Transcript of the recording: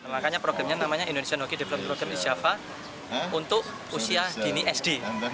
makanya programnya namanya indonesian hoki development program di java untuk usia dini sd